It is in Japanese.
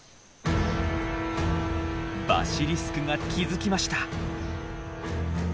バシリスクが気付きました。